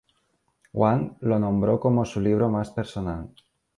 Wang lo nombró como su libro más personal.